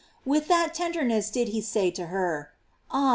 With what lender* ness did he say to her: Ah!